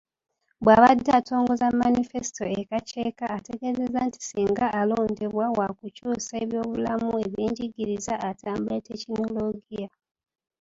Bw'abadde atongoza Manifesito e Kakyeeka, ategeezezza nti singa alondebwa, waakukyusa ebyobulamu, eby'enjigiriza, atumbule tekinologiya.